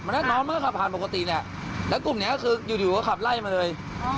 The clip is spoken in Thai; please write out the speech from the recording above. แล้วน้องมันก็ขับผ่านปกติเนี่ยแล้วกลุ่มนี้ก็คืออยู่ก็ขับไล่มาเลย